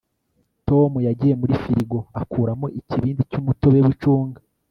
tom yagiye muri firigo akuramo ikibindi cy'umutobe w'icunga